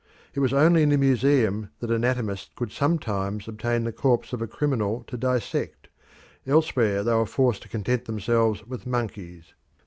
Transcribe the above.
It was only in the Museum that anatomists could sometimes obtain the corpse of a criminal to dissect; elsewhere they were forced to content themselves with monkeys.